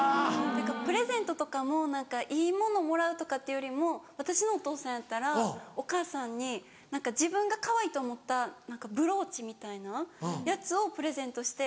プレゼントとかも何かいいものもらうとかっていうよりも私のお父さんやったらお母さんに何か自分がかわいいと思ったブローチみたいなやつをプレゼントして。